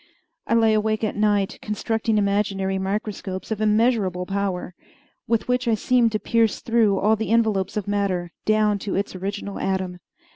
I lay awake at night constructing imaginary micro scopes of immeasurable power, with which I seemed to pierce through all the envelopes of matter down to its original atom.